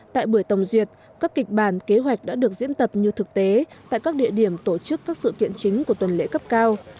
tại buổi tổng duyệt các kịch bản kế hoạch đã được diễn tập như thực tế tại các địa điểm tổ chức các sự kiện chính của tuần lễ cấp cao